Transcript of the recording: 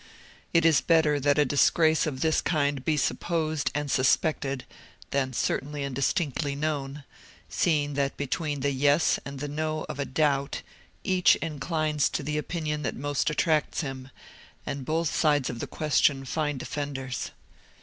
It is better that a disgrace of this kind be supposed and suspected, than certainly and distinctly known—seeing that between the yes and the no of a doubt, each inclines to the opinion that most attracts him, and both sides of the question find defenders.